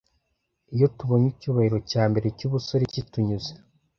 Iyo tubonye icyubahiro cya mbere cyubusore kitunyuze,